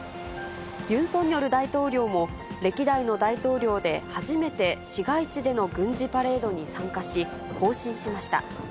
ユン・ソンニョル大統領も、歴代の大統領で初めて市街地での軍事パレードに参加し、行進しました。